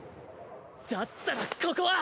だったらここは。